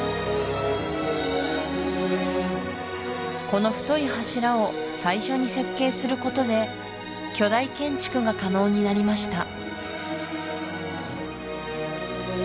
この太い柱を最初に設計することで巨大建築が可能になりました